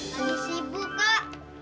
kalian sibuk kak